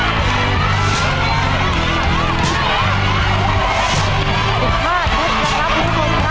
อีก๕ชุดนะครับทุกคนนะครับ